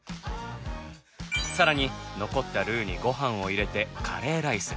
さらに残ったルーにご飯を入れてカレーライスに！